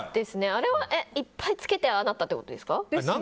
あれはいっぱいつけてああなったってことですか？